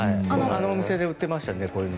あのお店で売っていましたね。